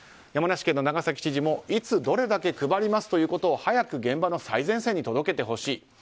山梨県の長崎知事もいつ、どれだけ配りますということを早く現場の最前線に届けてほしい。